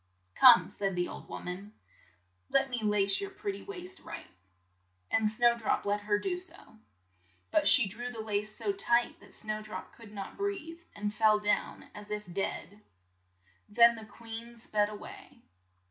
"Come," said the old wom an, "let me lace your pret ty waist right," and Snow drop let her do so. But she drew the lace so tight that Snow drop could not breathe, and fell down as if dead. Then the queen sped a way.